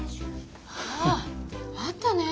あああったね。